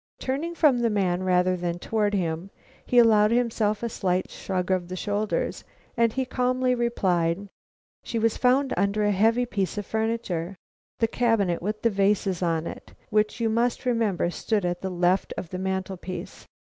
Turning from the man rather than toward him, he allowed himself a slight shrug of the shoulders as he calmly replied: "She was found under a heavy piece of furniture; the cabinet with the vases on it, which you must remember stood at the left of the mantel piece.